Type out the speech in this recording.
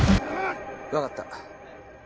分かった。